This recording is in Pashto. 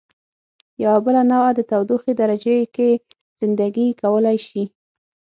یوه بله نوعه د تودوخې درجې کې زنده ګي کولای شي.